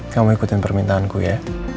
kamu ikutin permintaanku ya